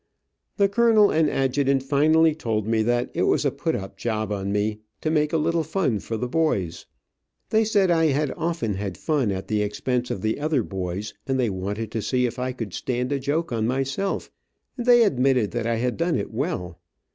The colonel and adjutant finally told me that it was a put up job on me, to make a little fun for the boys. They said I had often had fun at the expense of the other boys, and they wanted to see if I could stand a joke on myself, and they admitted that I had done it well.